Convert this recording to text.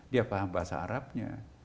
dia paham bahasa arabnya